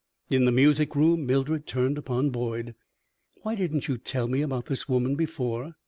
In the music room Mildred turned upon Boyd. "Why didn't you tell me about this woman before?"